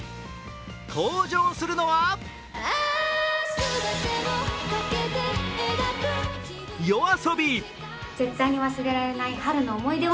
登場するのはＹＯＡＳＯＢＩ。